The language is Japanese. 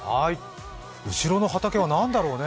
後ろの畑は何だろうね。